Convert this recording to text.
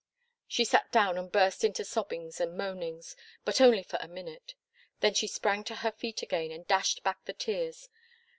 She sat down and burst into sobbings and moanings. But only for a minute. Then she sprang to her feet again and dashed back the tears.